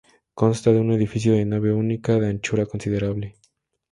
Consta de un edificio de nave única, de anchura considerable.